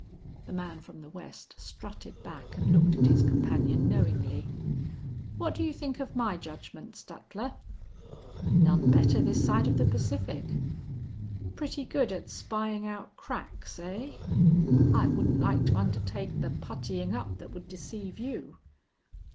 The man from the West strutted back and looked at his companion knowingly. "What do you think of my judgment, Stadler?" "None better this side of the Pacific." "Pretty good at spying out cracks, eh?" "I wouldn't like to undertake the puttying up that would deceive you."